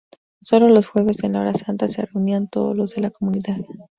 Solo los jueves en la hora santa se reunían todos los de la Comunidad.